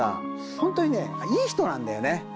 本当にね、いい人なんだよね。